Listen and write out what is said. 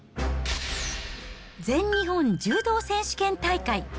全日本柔道選手権大会。